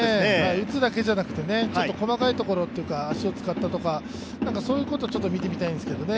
打つだけじゃなくて、細かいところというか、足を使ったとか、そういうところをちょっと見てみたいんですけどね。